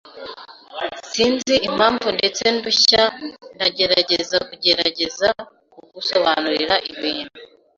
Sinzi impamvu ndetse ndushya ndagerageza kugerageza kugusobanurira ibintu.